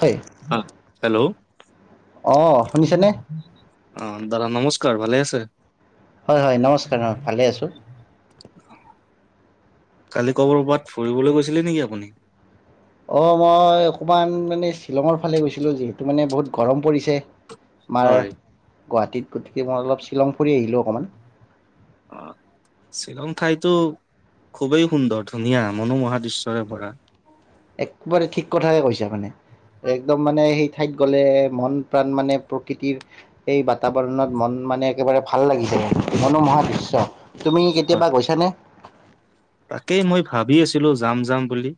হয় হেল্ল' অঁ শুনিছেনে অ দাদা নমস্কাৰ, ভালে আছে? হয় হয় নমস্কাৰ নম ভালে আছোঁ [unintelligible] কালি কৰবাত ফুৰিবলৈ গৈছিলে নেকি আপুনি? অ মই অকমান মানে শ্বিলঙৰ ফালে গৈছিলো যিহেতু মানে বহুত গৰম পৰিছে মাৰ হয় গুৱাহাটীত গতিকে মই অলপ শ্বিলং ফুৰি আহিলো অকমান অ শ্বিলং ঠাইতো খুবেই সুন্দৰ ধুনীয়া মনোমোহা দৃশ্যৰে ভৰা। একেবাৰে ঠিক কথাকে কৈছা মানে একদম মানে সেই ঠাইত গ'লে মন প্ৰাণ মানে প্ৰকৃতিৰ এই বাতাবৰণত মন মানে একেবাৰে ভাল লাগি যায় মনোমহা দৃশ্য তুমি হয় কেতিয়াবা গৈছানে? তাকেই মই ভাবি আছিলো যাম যাম বুলি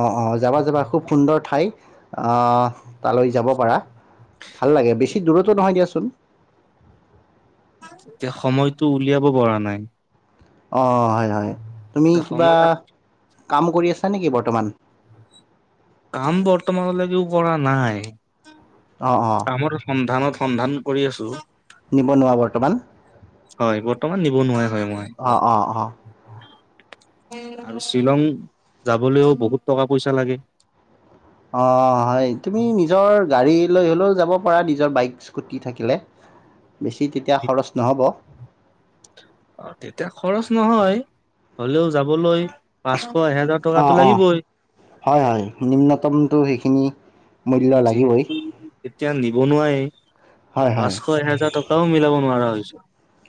অ অ যাবা যাবা খুব সুন্দৰ ঠাই আহ তালৈ যাব পাৰা ভাল লাগে বেচি দূৰতো নহয় দিয়াচোন [unintelligible] তেতিয়া সময়টো উলিয়াব পৰা নাই অ হয় হয় তুমি এতিয়া কিবা সময় কাম কৰি আছা নেকি বৰ্তমান কাম বৰ্তমানলৈকে কৰা নাই অ অ কামৰ সন্ধানত সন্ধান কৰি আছো নিবনুৱা বৰ্তমান হয় বৰ্তমান নিবনুৱাই হয় মই অঁ অঁ অ আৰু শ্বিলং যাবলৈও বহুত টকা পইচা লাগে অ হয় তুমি নিজৰ গাড়ী লৈ গলেও যাব পাৰা নিজৰ বাইক স্কুটি থাকিলে বেছি তেতিয়া খৰচ নহ'ব অ তেতিয়া খৰচ নহয় হলেও যাবলৈ পাঁচ অ অ হয় হয় নিম্নতমটো সেইখিনি মূল্য উ লাগিবই যিহেতু এতিয়া নিবনুৱাই হয় হয় পাঁচশ এহেজাৰ টকাও মিলাব নোৱাৰা হৈছো।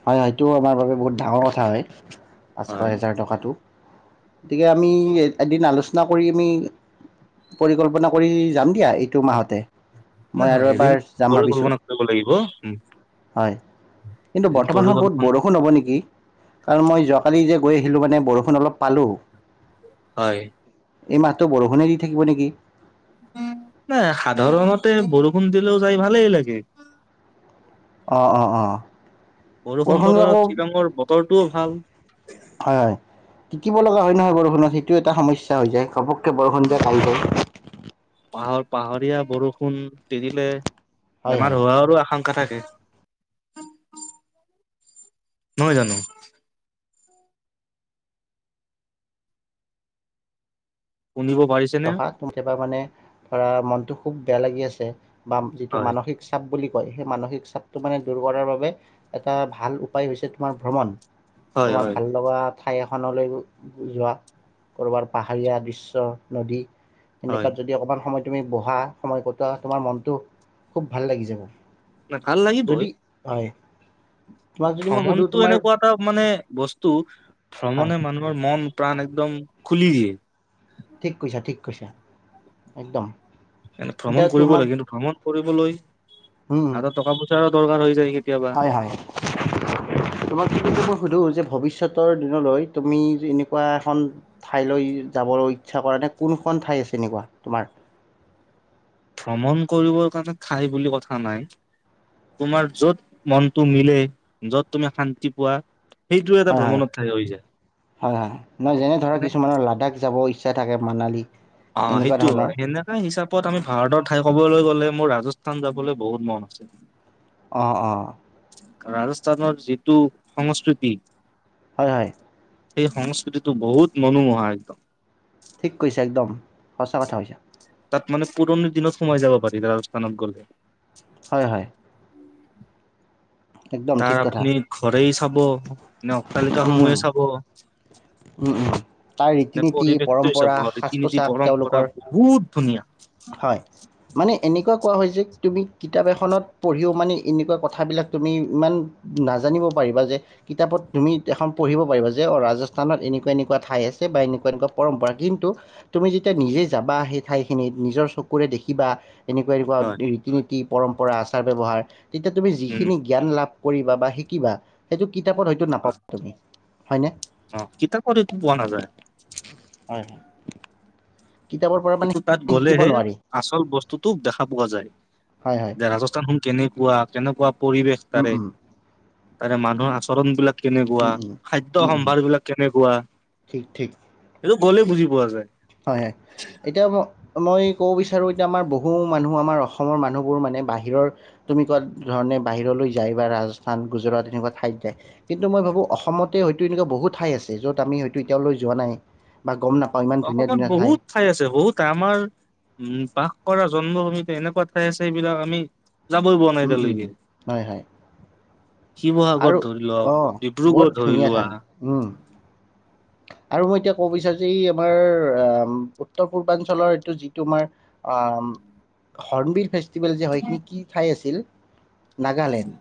হয় হয়টো আমাৰ বাবে বহুত ডাঙৰ কথা হয়। পাঁচশ হয় এহেজাৰ টকাটো। গতিকে আমি এদিন আলোচনা কৰি আমি, পৰিকল্পনা কৰি, যাম দিয়া এইটো মাহতে। মই আৰু নহয় এবাৰ এদিন যাম ভাবিছোঁ পৰিকল্পনা কৰিব লাগিব, উ' হয় কিন্তু বৰ্তমান সময় বহুত বৰষুণ হ'ব নেকি! কাৰণ মই যোৱাকালি যে গৈ আহিলোঁ মানে বৰষুণ অলপ পালোঁ। হয়। এই মাহটো বৰষুণে দি থাকিব নেকি? নাই সাধাৰণতে, বৰষুণ দিলেও যাই ভালেই লাগে। অ', অ', অ'। বৰষুণ বতৰত শ্বিলঙৰ বতৰটোও ভাল। তিতিঁব লগা হয় নহয় বৰষুণত, সেইটো এটা সমস্যা হৈ যায়। কে বৰষুণ অ সন্ধিয়া কালক [unintelligible] পাহৰ পাহাৰীয়া বৰষুণ তিঁতিলে, হয় হয় বেমাৰ হোৱাৰো আশংক কথাকে, নহয় জানো? শুনিব পাৰিছেনে হা [unintelligible] কেতিয়াবা মানে ধৰা মনটো খুব বেয়া লাগি আছে। বা যিটো হয় মানসিক চাপ বুলি সেই মানসিক চাপটো মানে দূৰ কৰাৰ বাবে, এটা ভাল উপায় হৈছে তোমাৰ ভ্ৰমণ, হয় তোমাৰ হয় ভাল লগা, ঠাই এখনলৈ যোৱা, ক'ৰবাৰ পাহাৰীয়া দৃশ্য, নদী, হয় এনেকুৱাত যদি অকমান সময় তুমি বহা, সময় কটোৱা, তোমাৰ মনটো খুব ভাল লাগি যাব। ন' ভাল লাগিবই। যদি হয় তোমাক যদি মই সুধো ভ্ৰমণটো তোমাৰ এনেকুৱা এটা মানে বস্তু টো হয় ভ্ৰমণে মানুহৰ মন, প্ৰাণ একদম খুলি দিয়ে, ঠিক কৈছা! ঠিক কৈছা! একদম। এনে এতিয়া ভ্ৰমণ কৰিব তোমাক লাগে কিন্তু ভ্ৰমণ কৰিবলৈ উম, হাতত টকা -পইচা দৰকাৰ হৈ যায় কেতিয়াবা। হয় হয় তোমাক কি ক মই সোধোঁ যে ভৱিষ্যত দিনলৈ তুমি এনেকুৱা এখন ঠাইলৈ যাবলৈ ইচ্ছা কৰা নে কোনখন ঠাই আছে এনেকুৱা তোমাৰ? ভ্ৰমণ কৰিবৰ কাৰণে ঠাই বুলি কথা নাই, তোমাৰ য'ত মনটো মিলে য'ত তুমি শান্তি পোৱা। সেইটো এটা হয় হয় ভ্ৰমণৰ ঠাই হৈ যায় হয় হয়। নহয় যেনে ধৰা মানে কিছুমানৰ লাডাখ যাব ইচা অ সেইটো হয় সেনেকা হিচাপত আমি ভাৰতৰ ঠাই ক'বলৈ গ'লে মোৰ ৰাজস্থান যাবলৈ বহুত মন আছে অ' অ' ৰাজস্থানৰ যিটো সংস্কৃতি হয় হয় সেই সংস্কৃতিটো বহুত মনোমোহা একদম ঠিক কৈছা একদম সঁচা কথা কৈছা তাত মানে পুৰণি দিনত সোমাই যাব পাৰি ৰাজস্থানত গ'লে হয় হয় একদম তাৰ ঠিক কথা আপুনি ঘৰেই চাব নে অট্টালিকা উম উম সময়ে চাব তাৰ নে ৰীতি নীতি পৰিৱেশটোৱে চাব পৰম্পৰা সাজ ৰীতি-নীতি পোছাক পৰম্পৰা তেওঁলোকৰ বহুত ধুনীয়া হয় মানে এনেকুৱা কোৱা হয় যে তুমি কিতাপ এখনত পঢ়িও মানে এনেকুৱা কথাবিলাক তুমি ইমান নাজানিব পাৰিবা যে কিতাপত তুমি এখন পঢ়িব পাৰিবা যে অ ৰাজস্থানত এনেকুৱা এনেকুৱা ঠাই আছে বা এনেকুৱা এনেকুৱা পৰম্পৰা কিন্তু তুমি যেতিয়া নিজে যাবা আহে ঠাই খিনিত নিজৰ চকুৰে দেখিবা এনেকুৱা এনেকুৱা হয়। ৰীতি নীতি পৰম্পৰা আচাৰ ব্যৱহাৰ তেতিয়া তুমি উম, যিখিনি জ্ঞান লাভ কৰিবা বা শিকিবা সেইটো কিতাপত হয়ো নাপাব হয় তুমি হয়নে অ কিতাপ কৰি পোৱা নাযায় হয় হয় কিতাপৰ পৰা মানে এইটো তাত শিকিব গলেহে নোৱাৰি আচল বস্তুটো দেখা পোৱা যায় হয় হয় যে ৰাজস্থান কে কেনেকুৱা কেনেকুৱা পৰিৱেশ উম তাৰে উম তাৰে মানুহৰ আচৰণ বিলাক কেনেকুৱা উম উম খাদ্যয় উম উম সম্ভাৰ বিলাক কেনেকুৱা ঠিক ঠিক এই গ'লেই বুজি পোৱা যায়। হয়, হয়, এতিয়া মই মই ক'ব বিচাৰো এতিয়া আমাৰ বহু মানুহ আমাৰ অসমৰ মানুহবোৰ মানে বাহিৰৰ, তুমি কোৱা ধৰণে বাহিৰলৈ যায় বা ৰাজস্থান, গুজৰাট এনেকুৱা ঠাইত যায়, কিন্তু মই ভাবো অসমতে হয়তো এনেকুৱা বহুত ঠাই আছে য'ত আমি হয়তো এতিয়া লৈ যোৱা নাই, বা গম নাপাওঁ ইমান ধুনীয়া অসমত ধুনীয়া বহুত ঠাই আছে, বহুত ঠাই আমাৰ, উম বা কৰা জন্ম ভূমিত এনেকুৱা ঠাই আছে এইবিলাক আমি যাবই পোৱা নাই উম এতিয়া উম লৈকে। হয় হয় শিৱসাগৰত আৰু ধৰি লক, অঁ বৰ ডিব্ৰুগড় ধৰি ধুনীয়া লোৱা ঠাই উম আৰু মই এতিয়া ক'ব বিচাৰো যে, এই আমাৰ উত্তৰ-পূৰ্বাঞ্চলৰ এইটো যি তোমাৰ আঁ হৰ্ণবিল ফে ভেল যে হয়, এইখিনি কি ঠাই আছিল। নাগালেণ্ড,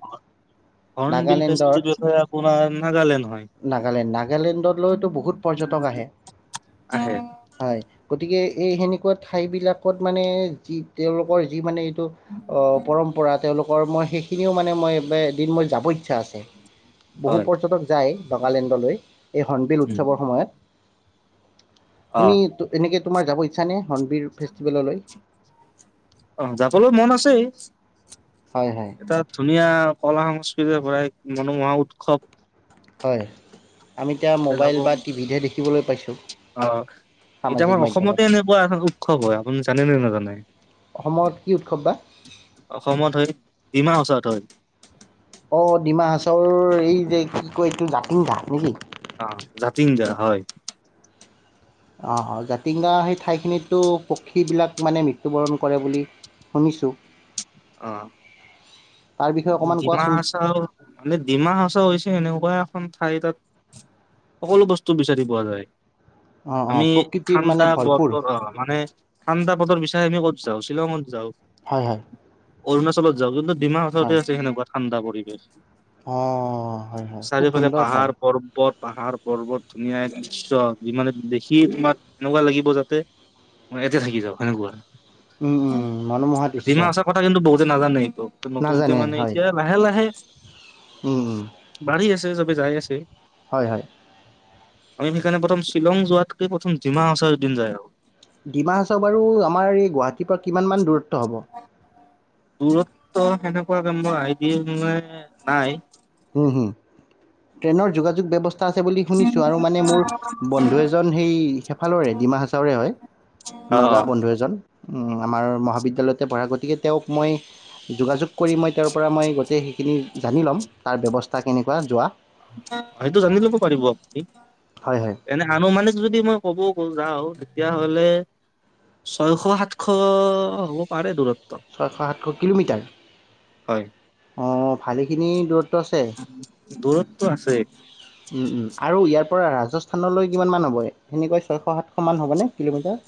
হৰ্ণবিল নাগালেণ্ডৰ, ফেষ্টিভেল হয় আপোনাৰ নাগালেণ্ড হয় নাগালেণ্ড, নাগালেণ্ডলৈ বহুত পৰ্যটক আহে, আহে হয়, গ গতিকে, এই সেনেকুৱা ঠাইবিলাকত মানে যি, তেওঁলোকৰ যি মানে এই অ পৰম্পৰা তেওঁলোক কৰ্মই সেইখিনিও মানে মই ৱ এদিন মই যাব ইচ্ছা আছে। বহু হয় পৰ্যটক যায়। নগালেণ্ডলৈ, এই উৎসৱৰ সময়ত অ তুমি তু এনেকে তোমাৰ যাব ছানে হনবীৰ ফেষ্টিভেললৈ [inaudible] অ যাবলৈও মন আছে হয় হয় এটা ধুনীয়া কলা-সংস্কৃতিৰ পৰা মনোমোহা উৎসৱ হয় আমি এতিয়া তাতে মোবাইল যাব বা টিভিতহে দেখি শিকিবলৈ পাইছোঁ অ, এতিয়া সামাজিক আমাৰ মাধ্যমত অসমতে এনেকুৱা এখন উৎসৱ হয়, আপুনি জানে নে নাজানে? অসমত কি উৎসৱ বা অসমত হয় ডিমা হাছা [inaudible] অ ডিমা হাছাওৰ এই যে কি কয় এইটো জাতিং [unintelligible] নেকি? অ জাতিং দা হয়। অ' জাতিংগা সেই ঠাইখিনিতো পক্ষীবিলাক মানে মৃত্যুবৰণ কৰে বুলি শুনিছোঁ। অ তাৰ বিষয়ে অকণমান ডিমা কোৱাচোন হাছাও মানে ডিমা হাচা হৈছে এনেকুৱা এখন খন ঠাই তাত সকলো বস্তু বিচাৰি পোৱা যায়। অঁ অঁ আমি প্ৰকৃতিৰ মানে ঠাণ্ডা ভৰপূৰ বতৰ অ' মানে ঠাণ্ডা বতৰ বিছ। অ আমি ক'ত যাওঁ শ্বিলঙত যওঁ হয় -হয় অৰুণাচলত যাও কিন্তু। ডিমা হাছাও তে আছে সেনেকুৱা ঠাই ঠাণ্ডা পৰিৱেশ। অ হয় -হয় খুব চাৰিওফালে সুন্দৰ ঠাই। পাহাৰ পৰ্বত পাহাৰ পৰ্বত ধুনীয়া দৃশ্য যিমানে দেখি তোমাৰ এনেকুৱা লাগিব যাতে এতে থাকি যাও সনেকুৱা। উম -উম মনোমোহা দৃশ্য। কিন্ত বহুতে নাজান নাই ত নতুনকে নাজানে মানে হয় এতিয়া লাহে লাহে। উম- উম বাঢ়ি চবে যাই আছে। হয় -হয় আমি সেইকাৰণে প্ৰথম শ্বিলং যোৱাতকে প্ৰথম জিমা হচাৰদিন যায় আৰু। ডিমাহাচও বাৰু আমাৰ এই গুৱাহাটীৰ পৰা কিমান মান দূৰত্ব হ'ব। দূৰত্ব সেনেকুৱা গাম আইডিয়া মানে নাই। ট্ৰেইনৰ যোগাযোগ ব্যৱস্থা। আছে বুলি শুনিছো আৰু মানে মোৰ বন্ধু এজন সেই সেফালৰে ডিমা হাচাউৰে হয় অ', নগা অ', বন্ধু এজন। আমাৰ মহাবিদ্যালয়তে পঢ়া গতিকে তেওঁক মই যোগাযোগ। কৰি মই তাৰ পৰা মই গোটেই সেইখিনি। জানি ল'ম। তাৰ ব্যৱস্থা কেনেকুৱা যোৱা। সেইটো জানি লব পাৰিব আপুনি হয় হয় এনে আনো মানেো যদি মই কব। যাও তেতিয়াাহলে ছয়শ সাতশ হ'ব পাৰে দূৰত। ছয়শ সাতশ কিলোমিটাৰ। হয়। অঁ ভালেখিনি দূৰত্ব আছে দূৰত্ব আছে আৰু ইয়াত। পৰা ৰাজস্থানলৈ কিমান হ'ব সেনেকৈ ছয়শ সাতশমান হ'বনে কিলোমিটাৰ।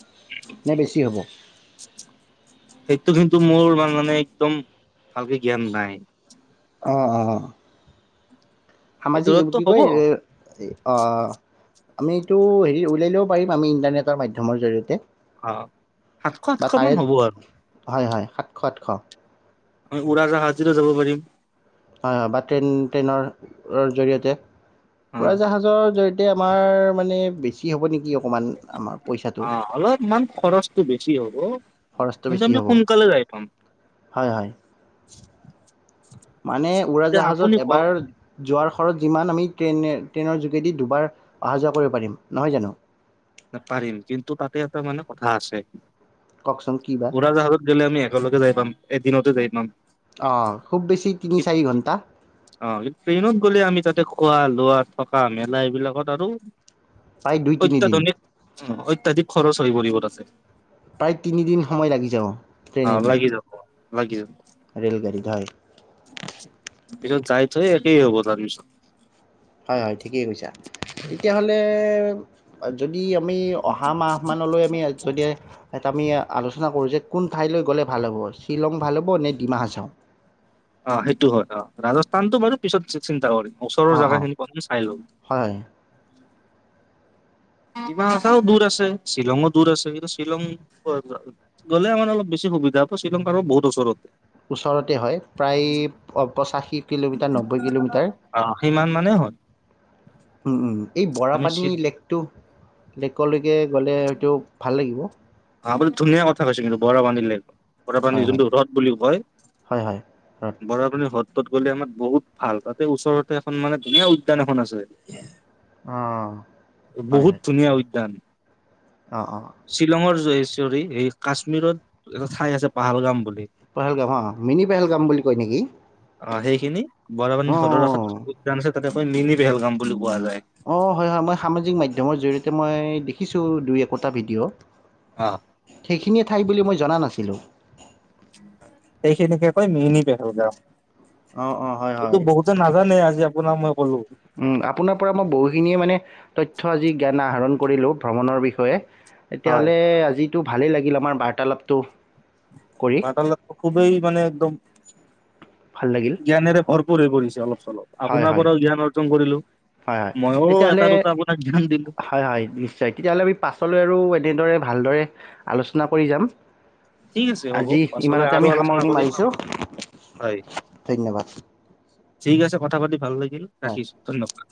নে বেছি হ'ব সেইটো কিন্তু মোৰ। তোমাৰ মানে একদম ভালকে জ্ঞান নাই অ' অ' সেই সামাজিক দূৰত্ব কি হ'ব কয়। আমিটো হেৰি উলিয়াই লওঁ পাৰিম আমি ইণ্টাৰনেটৰ মাধ্যমৰ জৰিয়তে। অ', সাতশ বা সাতশ মান তাৰে হ'ব আৰু। হয়, হয় সাতশ আঠশ। আমি উৰাজাহাজেদিও যাব পাৰিম। হয়, হয় বা ট্ৰেইন ট্ৰেইনৰ জৰিয়তে অ উৰাজাহাজৰ জৰি আমাৰ মানে বেছি হ'ব নেকি। অকণমান আমাৰ পইচাটো অ', অলপমান খৰচটো বেছি হ'ল। অ'। খৰচটো বেছি হ'ব হয় মানে এতিয়া আপুনি উৰাজাহাজত কওক এবাৰ যোৱাৰ ঘৰত যিমান আমি ট্ৰেইনে ট্ৰেইনৰ যোগেদি দুবাৰ অহা যোৱা কৰিব পাৰিম, নহয় জানো। পাৰিম কিন্তু তাতে এটা মানে কথা আছে। কওকচোন কি বা উৰাজাহাজত গেলে আমি একেলগে যাই পাম। এদিনতো যাই পাম। অ', খুব বেছি তিনি চাৰি ঘণ্টা। অ', কিন্তু ট্ৰেইনত গ'লে আমি তাতে খোৱা লোৱা থকা মেলা এইবিলাকত আৰু প্ৰায় দুই [unintelligible] তিনিদিন অত্যাধিক খৰচ হৈ পৰিব তাতে। প্ৰায় তিনিদিন সময় লাগি যাব। অ', ট্ৰেইনেদি লাগি যাব। [unintelligible] ৰেলগাড়ীত, হয়। পিছত যাই থৈ একেই হ'ব তাৰপিছত। হয়, হয় ঠিকেই কৈছা তেতিয়াহ'লে যদি আমি অহা মাহ মানলৈ আমি যদি আমি আলোচনা কৰোঁ যে কোন ঠাইলৈ গ'লে ভাল হ'ব শ্বিলং ভাল হ'ব নে ডিমা হাচাও অ', সেইটো হয় অ', ৰাজস্থানতটো বাৰু পিছত চিন্তা কৰিম। ওচৰৰ অঁ জাগা অঁ খিনি প্ৰথম চাই লওঁ। হয় হয় ডিমাহাছাও দূৰ আছে শ্বিলঙো দূৰ আছে কিন্তু শ্বিলং গ'লে আমাৰ অলপ বেছি সুবিধা হ শ্বিলং কাৰ বহুত ওচৰতে ওচৰতে হয় প্ৰায় পঁচাশী কিলোমিটাৰ নব্বৈ কিলোমিটাৰ। অ সিমান মানে হয়। উম, উম এই আমি বৰাপানী শ্বিল লেকটো লেকোলৈ গ'লে হয়টো ভাল লাগিব। হা বোৰ ধুনীয়া কৈছে কিন্তু [unintelligible] বৰাপানী হয় হয় যোনটো হ্ৰদ বুলি কয়, হয় হয় হয়। বৰাপানী হ্ৰদ। তত গ'লে আমাৰ বহুত ভাল তাতে ওচৰতে এখন মানে ধুনীয়া উদ্যান এখন আছে। অঁ হয় হয় বহুত ধুনীয়া উদ্যান। অঁ অঁ শ্বিলঙৰ [inaudible] চৰী এই কাশ্মীৰত এটা ঠাই আছে পাহালগাম বুলি। পেহেলগাম অ' মিনি পেহেলগাম বুলি কয় নেকি? অ সেইখিনি বৰাপানী হ্ৰদৰ কাষত অ' উদ্যান আছে তাতে কয় মিনি পেলগাম বুলি কোৱা যায়। এতিয়া মই দেখিছোঁ দুই একোটা ভিডিঅ' অ' সেইখিনিয়ে ঠাই বুলি মই জনা নাছিলোঁ। অ' মিনি পেহেলগাম। অ-অ এইটো হয়-হয় বহুতে নাজানে আজি আপোনাক মই কলো উম আপোনাৰ পৰা মই বহুখিনিয়ে মানে তথ্য আজি জ্ঞান আহৰণ। কৰিলোঁ ভ্ৰমণৰ বিষয়ে। তেতিয়া হয় হ'লে আজি এইটো ভালেই লাগিল আমাৰ বাৰ্তালাপটো। কৰি বাৰ্তালাপ খুবেই মানে একদম জ্ঞানেৰে ভৰপূৰ হৈ পৰিছে। অলপ চলপ আপোনাৰ পৰাও জ্ঞান অৰ্জন কৰিলো হয়-হয়-হয়-হয়, মইও এটা তেতিয়াহ'লে দুটা আপোনাক জ্ঞান দিলো হয়-হয় নিশ্চয়, তেতিয়াহ'লে আমি পাছলৈ আৰু এনেদৰে ভালদৰে আলোচনা কৰি যাম। ঠিক আছে হ'ব আজি পাছলৈ ইমানতে আৰু আমি আলোচনা সামৰণি কৰিম মাৰিছো হয় ধন্যবাদ। ঠিক আছে কথা পাতি লাগিল। হয় ৰাখিছো ধন্যবাদ।